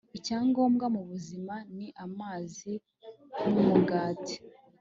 icya ngombwa mu buzima, ni amazi n'umugati